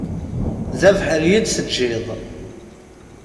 D abeḥri i d-teǧǧiḍ.